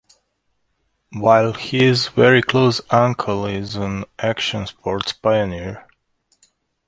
While his very close uncle is an action sports pioneer.